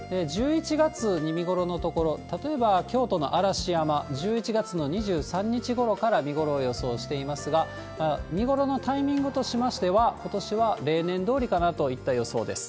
１１月に見頃の所、例えば京都の嵐山、１１月の２３日ごろから見頃を予想していますが、見頃のタイミングとしましては、ことしは例年どおりかなといった予想です。